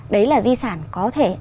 đấy là di sản có thể